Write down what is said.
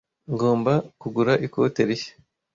Ngomba kugura ikote rishya.